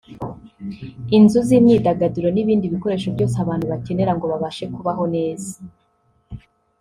inzu z’imyidagaduro n’ibindi bikoresho byose abantu bakenera ngo babashe kubaho neza